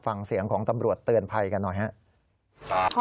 ฟังเสียงของตำรวจเตือนภัยกันหน่อยครับ